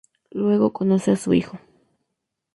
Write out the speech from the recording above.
Luego conoce a su hijo.